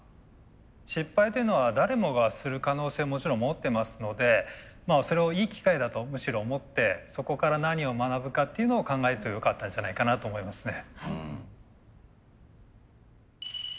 失敗というのは誰もがする可能性をもちろん持ってますのでそれをいい機会だとむしろ思ってそこから何を学ぶかっていうのを考えるとよかったんじゃないかなと思いますね。